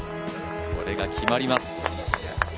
これが決まります。